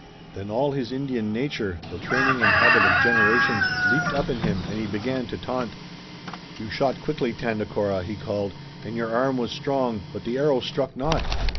Then all his Indian nature, the training and habit of generations, leaped up in him and he began to taunt. "You shot quickly, Tandakora," he called, "and your arm was strong, but the arrow struck not!